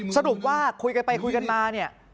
สรุปว่าคุยกันไปคุยกันมาเนี่ย